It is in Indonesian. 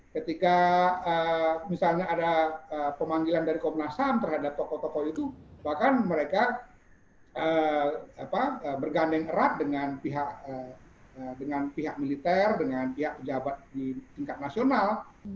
ketika misalnya ada pemanggilan dari komnas ham terhadap tokoh tokoh itu bahkan mereka bergandeng erat dengan pihak militer dengan pihak jabat di tingkat nasional